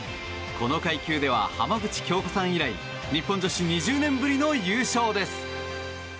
この階級では浜口京子さん以来日本女子２０年ぶりの優勝です。